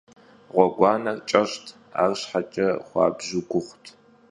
Ğueguaner ç'eş't, arşheç'e xuabju guğut.